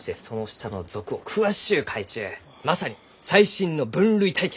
まさに最新の分類体系！